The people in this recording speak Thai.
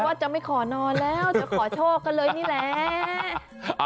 ว่าจะไม่ขอนอนแล้วจะขอโชคกันเลยนี่แหละ